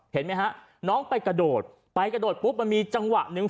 เห็นไหมฮะน้องไปกระโดดไปกระโดดปุ๊บมันมีจังหวะหนึ่ง